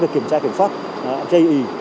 kiểm tra kiểm soát gây ị